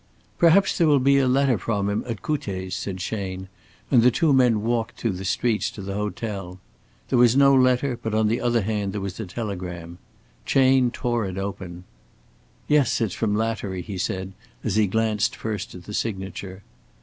"Perhaps there will be a letter from him at Couttet's," said Chayne, and the two men walked through the streets to the hotel. There was no letter, but on the other hand there was a telegram. Chayne tore it open. "Yes it's from Lattery," he said, as he glanced first at the signature.